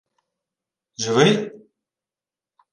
— Живий?!